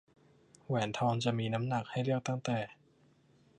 แหวนทองจะมีน้ำหนักให้เลือกตั้งแต่